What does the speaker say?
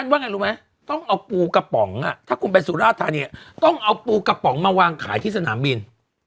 ว่าไงรู้ไหมต้องเอาปูกระป๋องถ้าคุณไปสุราธานีต้องเอาปูกระป๋องมาวางขายที่สนามบิน